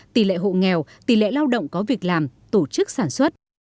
tỷ lệ hộ nghèo tỷ lệ lao động có việc làm tổ chức sản xuất